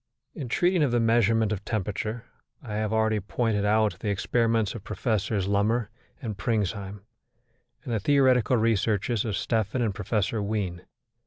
In treating of the measurement of temperature, I have already pointed out the experiments of Professors Lummer and Pringsheim and the theoretical researches of Stephan and Professor Wien.